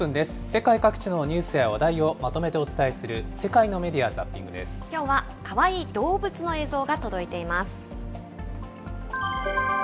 世界各地のニュースや話題をまとめてお伝えする世界のメディア・きょうはかわいい動物の映像が届いています。